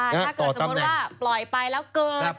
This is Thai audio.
ถ้าเกิดสมมุติว่าปล่อยไปแล้วเกิด